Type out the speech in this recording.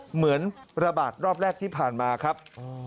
เหมือนระบาดรอบแรกที่ผ่านมาครับ